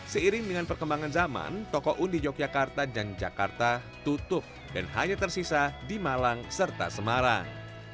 seiring dengan perkembangan zaman toko un di yogyakarta dan jakarta tutup dan hanya tersisa di malang serta semarang